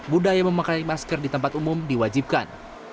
budaya memakai masker di tempat umum diwajibkan